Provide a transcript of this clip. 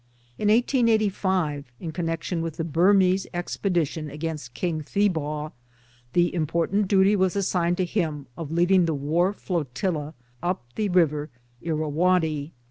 In 1885, in con nection with the Burmese expedition against King Thebaw, the important duty was assigned to him of leading the War Flotilla up the river Irrawaddy.